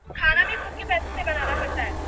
ওকে কোথায় নিয়ে যাচ্ছেন আপনি?